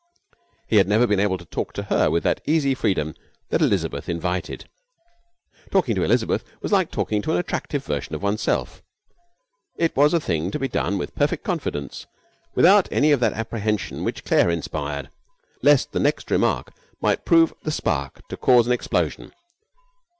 He had never been able to talk to her with that easy freedom that Elizabeth invited. Talking to Elizabeth was like talking to an attractive version of oneself. It was a thing to be done with perfect confidence, without any of that apprehension which Claire inspired lest the next remark might prove the spark to cause an explosion.